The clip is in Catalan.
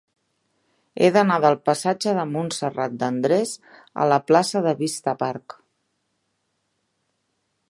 He d'anar del passatge de Montserrat de Andrés a la plaça de Vista Park.